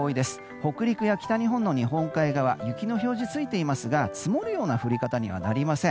北陸や北日本の日本海側雪の表示がついていますが積もるような降り方にはなりません。